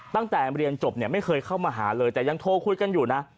ตั้งแต่เรียนจบเนี่ยไม่เคยเข้ามาหาเลยแต่ยังโทรคุยกันอยู่นะ